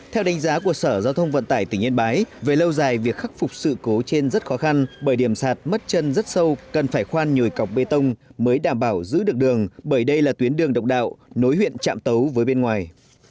theo đánh giá của sở giao thông vận tải tỉnh yên bái về lâu dài việc khắc phục sự cố trên rất khó khăn bởi điểm sạt mất chân rất sâu cần phải khoan nhồi cọc bê tông mới đảm bảo giữ được đường bởi đây là tuyến đường độc đạo nối huyện trạm tấu với bên ngoài